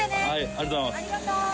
ありがとうございます。